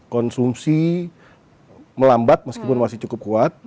konsumsi melambat meskipun masih cukup kuat